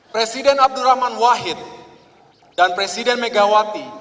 presiden abdurrahman wahid dan presiden megawati